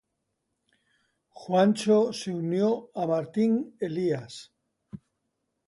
Juancho se unió a Martín Elías.